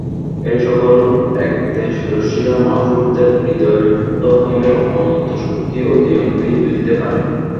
এই-সকল একদেশদর্শীরা মহাপুরুষদের হৃদয়স্থ প্রেমের অনন্ত শক্তি অতি অল্পই বুঝিতে পারে।